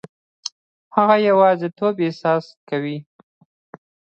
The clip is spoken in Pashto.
هغه د یوازیتوب احساس کوي.